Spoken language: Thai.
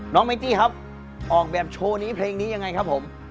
ไมตี้ครับออกแบบโชว์นี้เพลงนี้ยังไงครับผม